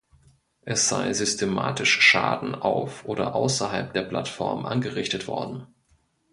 Es sei systematisch Schaden auf oder außerhalb der Plattform angerichtet worden.